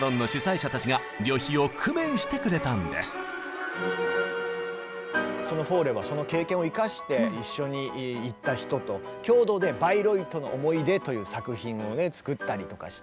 そこでそのフォーレはその経験を生かして一緒に行った人と共同で「バイロイトの思い出」という作品をね作ったりとかして。